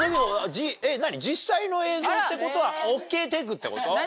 実際の映像ってことはＯＫテイクってこと？